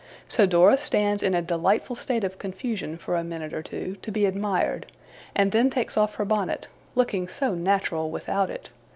So Dora stands in a delightful state of confusion for a minute or two, to be admired; and then takes off her bonnet looking so natural without it!